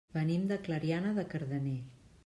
Venim de Clariana de Cardener.